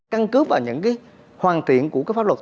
căn cứ vào những hoàn thiện của pháp luật